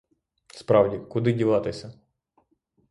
Справді — куди діватися?